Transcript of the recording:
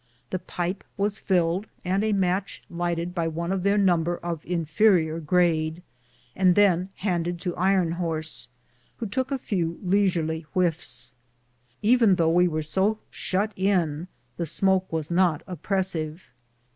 The pipe was filled and a match lighted by one of their number of inferior grade, and then handed to Iron Horse, who took a few leisurely whiffs. Thougli we were so shut in, the smoke was not oppressive.